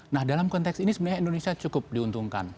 nah dalam konteks ini sebenarnya indonesia cukup diuntungkan